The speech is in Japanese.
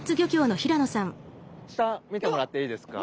下見てもらっていいですか？